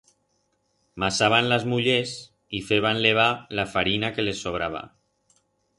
Masaban las mullers y feban levar la farina que les sobraba.